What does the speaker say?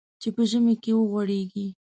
چې په ژمي کې وغوړېږي .